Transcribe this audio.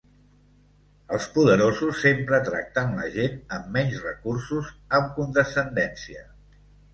Els poderosos sempre tracten la gent amb menys recursos amb condescendència.